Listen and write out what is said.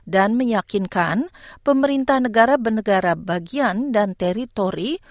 dan meyakinkan pemerintah negara negara bagian dan teritori